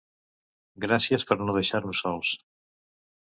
Gràcies per no deixar-nos sols.